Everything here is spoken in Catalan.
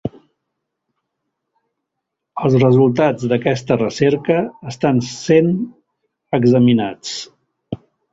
Els resultats d'aquesta recerca estan sent examinats.